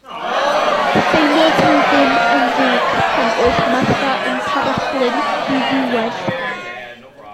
Theimlodd hi ddim yn ddig pan oedd Martha yn parablu'n ddiddiwedd.